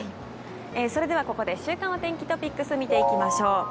それではここで週間お天気トピックスを見ていきましょう。